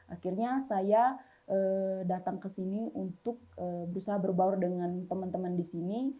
akhirnya saya datang ke sini untuk berusaha berbaur dengan teman teman di sini